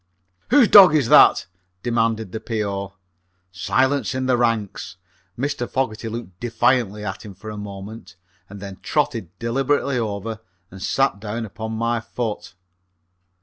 "Whose dog is that?" demanded the P.O. Silence in the ranks. Mr. Fogerty looked defiantly at him for a moment and then trotted deliberately over and sat down upon my foot.